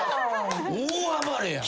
大暴れやん。